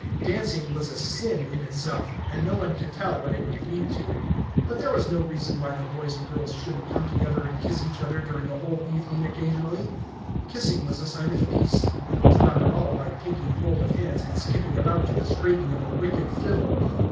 Dancing was a sin in itself, and no one could tell what it would lead to. But there was no reason why the boys and girls shouldn't come together and kiss each other during a whole evening occasionally. Kissing was a sign of peace, and was not at all like taking hold of hands and skipping about to the scraping of a wicked fiddle.